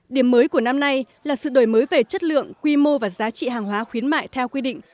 điểm mới của năm nay là sự đổi mới về chất lượng quy mô và giá trị hàng hóa khuyến mại theo quy định